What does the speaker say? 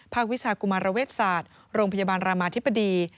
วิชากุมารเวชศาสตร์โรงพยาบาลรามาธิบดี